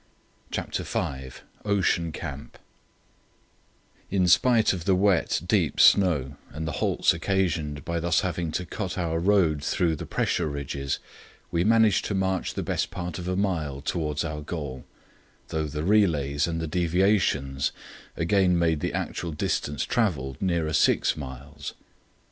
CHAPTER V OCEAN CAMP In spite of the wet, deep snow and the halts occasioned by thus having to cut our road through the pressure ridges, we managed to march the best part of a mile towards our goal, though the relays and the deviations again made the actual distance travelled nearer six miles.